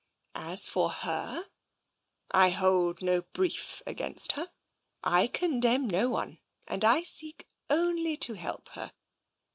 As for her, I hold no brief against her. I condemn no one, and I seek only to help her.